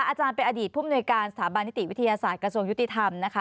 อาจารย์เป็นอดีตผู้มนุยการสถาบันนิติวิทยาศาสตร์กระทรวงยุติธรรมนะคะ